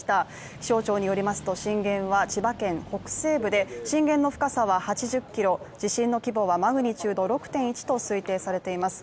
気象庁によりますと、震源は千葉県北西部で震源の深さは８０ｋｍ地震の規模はマグニチュード６．１と推定されています。